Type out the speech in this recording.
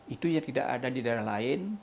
itu ya tidak ada di daerah lain